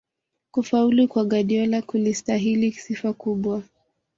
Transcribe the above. kufaulu kwa guardiola kulistahili sifa kubwa